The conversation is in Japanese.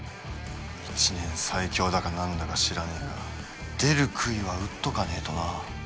１年最強だか何だか知らねえが出るくいは打っとかねえとな。